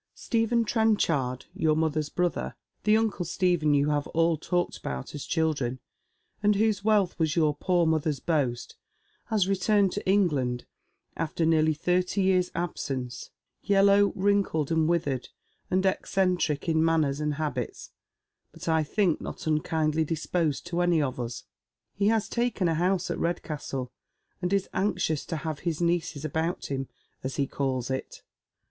Stephen Trenchard, your mother's brother, the uncle Stephen you hav9 all talked about as children, and whose wealth was your poof mother's boast, has returned to England, after nearly thu ty years' absence, yellow, wrinkled, and withered, and eccentric in manners and habits, but I think not unkindly disposed to any of us. He has taken a house at Redcastle, and is anxious to hav« his nieces about hira, as he calls it.